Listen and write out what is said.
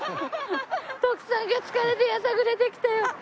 徳さんが疲れてやさぐれてきたよ。